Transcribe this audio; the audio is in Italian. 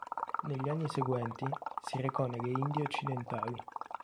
Negli anni seguenti si recò nelle Indie Occidentali.